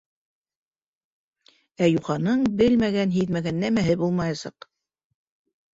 Ә юханың белмәгән-һиҙмәгән нәмәһе булмаясаҡ.